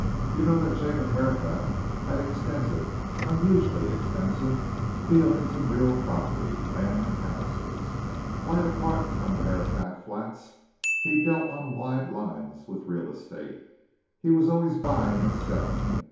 You know that Jacob Herapath had extensive, unusually extensive, dealings in real property land and houses. Quite apart from the Herapath Flats, he dealt on wide lines with real estate; he was always buying and selling.